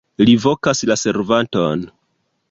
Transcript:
Li vokas la servanton.